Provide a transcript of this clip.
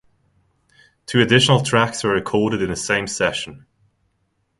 Two additional tracks were recorded in the same session.